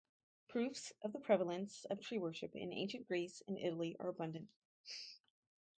Proofs of the prevalence of tree-worship in ancient Greece and Italy are abundant.